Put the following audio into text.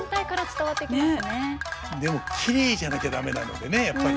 でもきれいじゃなきゃ駄目なのでねやっぱり。